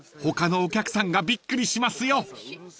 他のお客さんがびっくりしますよ］